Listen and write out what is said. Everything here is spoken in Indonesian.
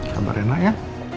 kabar rena ya